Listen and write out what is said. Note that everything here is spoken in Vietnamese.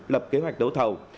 lập kế hoạch đấu thầu